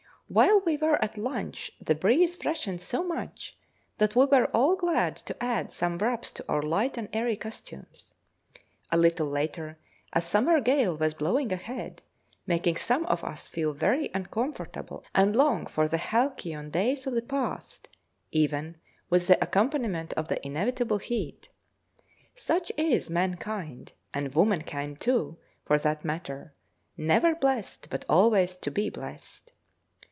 While we were at lunch, the breeze freshened so much that we were all glad to add some wraps to our light and airy costumes. A little later, a summer gale was blowing ahead, making some of us feel very uncomfortable and long for the halcyon days of the past, even with the accompaniment of the inevitable heat. Such is mankind, and womankind too for that matter, 'never blessed but always to be blessed.'